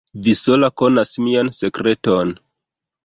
Vi sola konas mian sekreton.